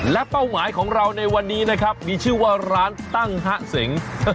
และเป้าหมายของเราในวันนี้นะครับมีชื่อว่าร้านตั้งฮะเสง